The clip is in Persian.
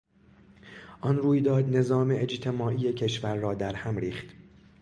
آن رویداد نظام اجتماعی کشور را درهم ریخت.